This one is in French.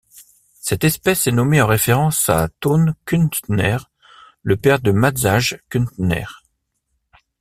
Cette espèce est nommée en référence à Tone Kuntner, le père de Matjaž Kuntner.